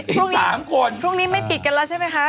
พรุ่งนี้๓คนพรุ่งนี้ไม่ปิดกันแล้วใช่ไหมคะ